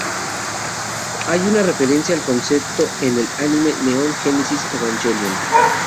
Hay una referencia al concepto en el anime Neon Genesis Evangelion.